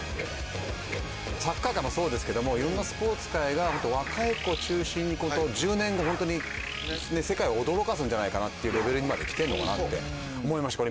サッカー界もそうですけどいろんなスポーツ界が若い子中心に１０年後ホントに世界を驚かすんじゃないかなっていうレベルにまできてんのかなって思いました